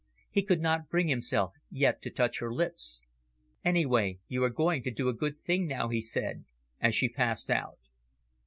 He could not bring himself yet to touch her lips. "Anyway, you are going to do a good thing now," he said, as she passed out.